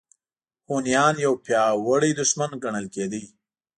هونیان یو پیاوړی دښمن ګڼل کېده.